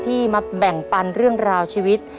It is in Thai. ที่มาแบ่งปันเรื่องราวชีวิต